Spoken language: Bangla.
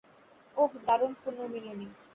ওহ, দারুণ পুণর্মিলনী।